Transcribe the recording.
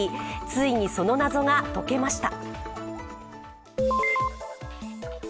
ついにその謎が解けました。